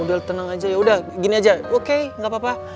udah tenang aja yaudah gini aja oke gak apa apa